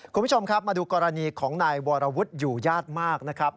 คุณผู้ชมครับมาดูกรณีของนายวรวุฒิอยู่ญาติมากนะครับ